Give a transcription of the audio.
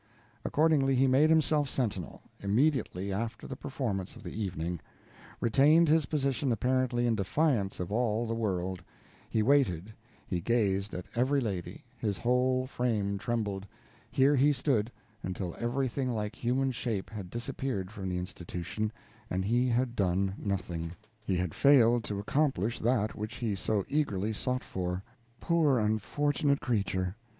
Accordingly he made himself sentinel, immediately after the performance of the evening retained his position apparently in defiance of all the world; he waited, he gazed at every lady, his whole frame trembled; here he stood, until everything like human shape had disappeared from the institution, and he had done nothing; he had failed to accomplish that which he so eagerly sought for. Poor, unfortunate creature!